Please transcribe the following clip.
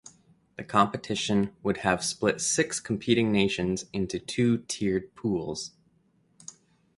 The competition would have split six competing nations into two tiered pools.